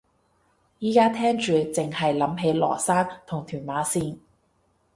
而家聽住剩係諗起羅生同屯馬綫